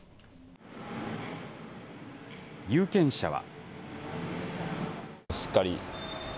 有権者は。